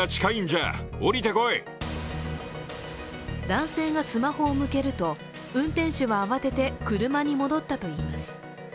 男性がスマホを向けると、運転手は慌てて車に戻ったといいます。